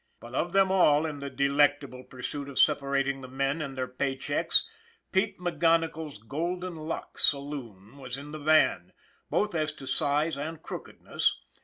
But of them all in the delectable pursuit of separating the men and their pay checks, Pete McGonigle's " Golden Luck " saloon was in the van, both as to size and crookedness.